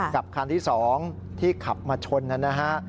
กับคันที่๒ที่ขับมาชนนะฮะ